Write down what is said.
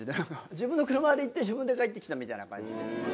自分の車で行って自分で帰ってきたみたいな感じ。